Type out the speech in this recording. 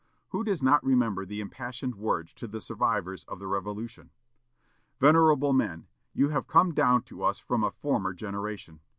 Who does not remember the impassioned words to the survivors of the Revolution, "Venerable men! you have come down to us from a former generation.